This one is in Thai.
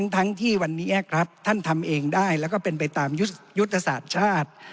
ทั้งที่วันนี้รัฐท่านทำเองได้แล้วก็เป็นไปตามยุทธศาสตร์ชาติ